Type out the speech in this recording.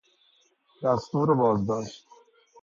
دستور بازداشت